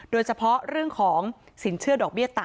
โดยเฉพาะเรื่องของสินเชื่อดอกเบี้ยต่ำ